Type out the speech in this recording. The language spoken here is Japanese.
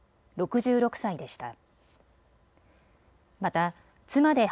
６６歳でした。